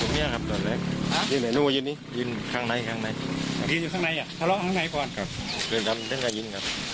มี๒นะครับพอยิงเสร็จแล้วพี่เราไปไหน